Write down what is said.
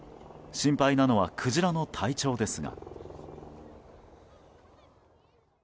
心配なのはクジラの体調ですが。